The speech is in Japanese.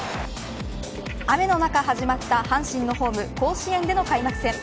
雨の中始まった阪神のホーム甲子園での開幕戦。